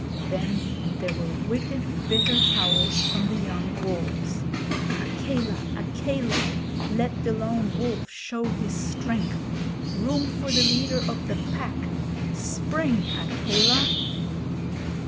Then there were wicked, bitter howls from the young wolves: 'Akela! Akela! Let the Lone Wolf show his strength. Room for the leader of the Pack! Spring, Akela!'